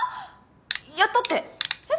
ヤッたってえっ？